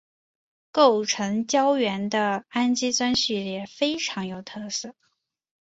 构成胶原的氨基酸序列非常有特色。